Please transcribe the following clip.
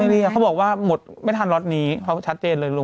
เขาบอกว่าหมดไม่ทันล็อตนี้เขาชัดเจนเลยลุง